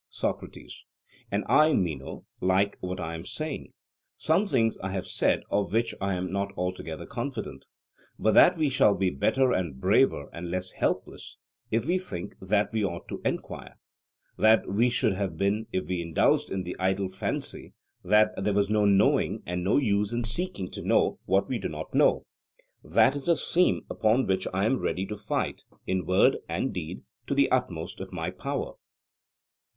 SOCRATES: And I, Meno, like what I am saying. Some things I have said of which I am not altogether confident. But that we shall be better and braver and less helpless if we think that we ought to enquire, than we should have been if we indulged in the idle fancy that there was no knowing and no use in seeking to know what we do not know; that is a theme upon which I am ready to fight, in word and deed, to the utmost of my power.